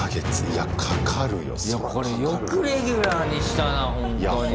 いやこれよくレギュラーにしたなほんとに。